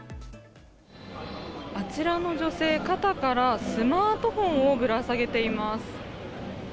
あちらの女性、肩からスマートフォンをぶら下げています。